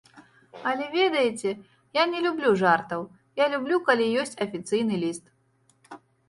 Але, ведаеце, я не люблю жартаў, я люблю калі ёсць афіцыйны ліст.